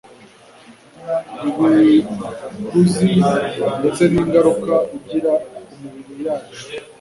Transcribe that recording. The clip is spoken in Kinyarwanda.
ibiguzi ndetse ningaruka igira ku mibiri yacu